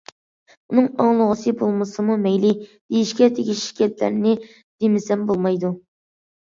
ئۇنىڭ ئاڭلىغۇسى بولمىسىمۇ مەيلى، دېيىشكە تېگىشلىك گەپلەرنى دېمىسەم بولمايدۇ.